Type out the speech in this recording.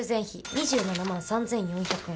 ２７万３，４００円